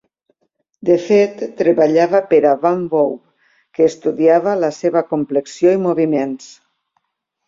De fet treballava per a Van Wouw, que estudiava la seva complexió i moviments.